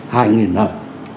hai nghìn năm